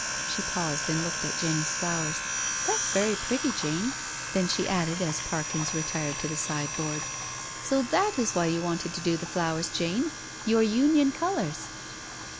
She paused and looked at Jenny's flowers. " That's very pretty, Jane." Then she added as Parkins re tired to the sideboard: "So thai is vrhy you wanted to do the flowers, Jane? — your Union colours."